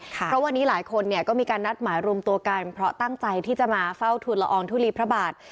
เพราะวันนี้หลายคนเนี่ยก็มีการนัดหมายรวมตัวกันเพราะตั้งใจที่จะมาเฝ้าทุนละอองทุลีพระบาท